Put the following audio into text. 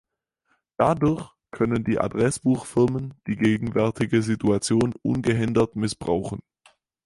Dadurch können die Adressbuchfirmen die gegenwärtige Situation ungehindert missbrauchen.